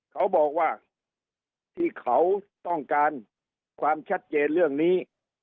เขาบอกว่าที่เขาต้องการความชัดเจนเรื่องนี้